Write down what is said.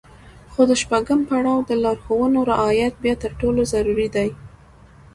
خو د شپږم پړاو د لارښوونو رعايت بيا تر ټولو ضروري دی.